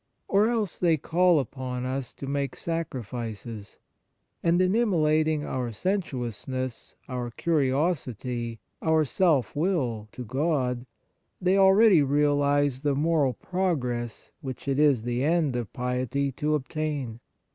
Or else, they call upon us to make sacrifices, and in immolating our sensuousness, our curiosity, our self 56 Devotions will to God, they already realize the moral progress which it is the end of piety to obtain.